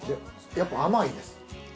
やっぱ甘いです。